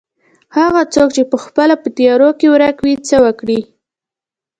هغه څوک چې پخپله په تيارو کې ورکه وي څه وکړي.